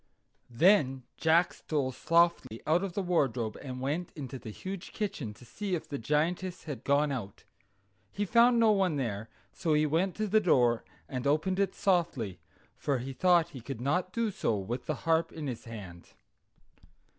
Then Jack stole softly out of the wardrobe, and went into the huge kitchen to see if the Giantess had gone out; he found no one there, so he went to the door and opened it softly, for he thought he could not do so with the harp in his hand.